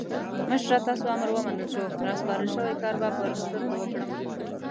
مشره تاسو امر ومنل شو؛ راسپارل شوی کار به پر سترګو وکړم.